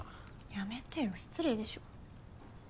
やめてよ失礼でしょ。